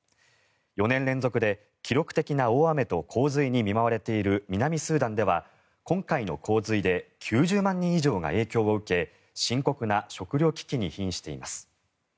４年連続で記録的な大雨と洪水に見舞われている南スーダンでは今回の洪水で９０万人以上が影響を受け深刻な食糧危機に瀕しています。